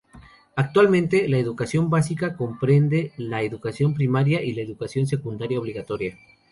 Actualmente, la educación básica comprende la Educación Primaria y la Educación Secundaria Obligatoria.